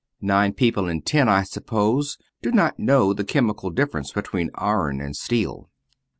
Nine people in ten, I suppose, do not know the chemical difference between iron and steel.